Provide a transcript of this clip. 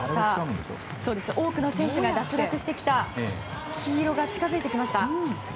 多くの選手が脱落してきた黄色が近づいてきました。